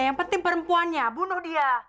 yang penting perempuannya bunuh dia